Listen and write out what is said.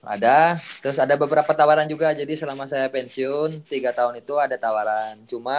ada terus ada beberapa tawaran juga jadi selama saya pensiun tiga tahun itu ada tawaran cuma